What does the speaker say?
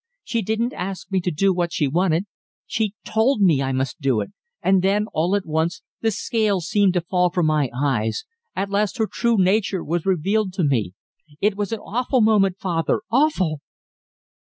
She didn't ask me to do what she wanted; she told me I must do it and then, all at once, the scales seemed to fall from my eyes. At last her true nature was revealed to me. It was an awful moment, father awful!"